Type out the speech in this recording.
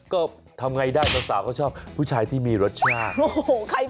ก็ทำไงได้สาวก็ชอบผู้ชายที่มีรสชาติ